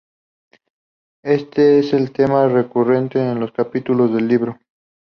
Este es un tema recurrente en los capítulos del libro.